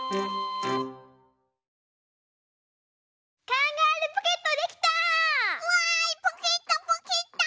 カンガルーポケットできた！